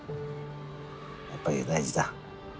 やっぱり大事だ。